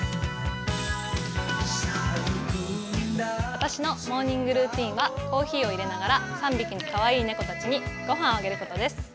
私のモーニングルーティーンはコーヒーを入れながら３匹のかわいい猫たちに御飯をあげることです。